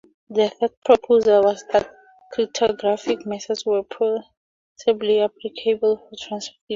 The third proposal was that cryptographic methods were possibly applicable to translation.